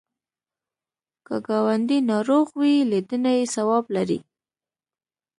که ګاونډی ناروغ وي، لیدنه یې ثواب لري